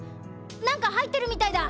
なんかはいってるみたいだ！